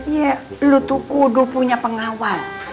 iya lu tuh kudu punya pengawal